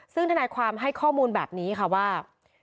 ซึ่งทนายความให้ข้อมูลแบบนี้ค่ะว่า